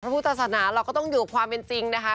พุทธศาสนาเราก็ต้องอยู่กับความเป็นจริงนะคะ